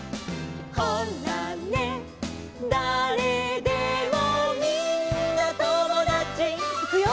「ほらね誰でもみんなともだち」いくよ！